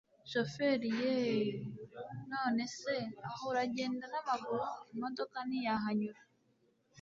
shoferi yeeeeh! nonese aho uragenda namaguru, imodoka ntiyahanyura!